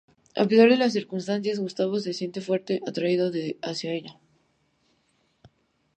A pesar de las circunstancias, Gustavo se siente fuertemente atraído hacia ella.